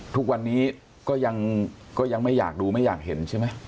ทุกวันนี้ก็ยังไม่อยากดูไม่อยากเห็นใช่ไหม